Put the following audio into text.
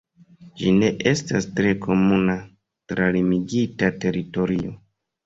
Ĝi ne estas tre komuna tra limigita teritorio.